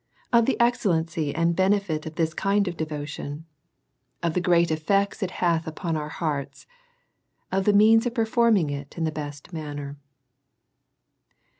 Of the excellency and benefit of this kind of Devotion. Of the great effect it hath upon our hearts. Of the means of performing it in the best manner.